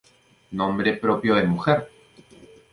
Nombre propio de mujer.